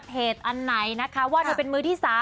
เพจอันไหนนะคะว่าโน้นเป็นมือที่๓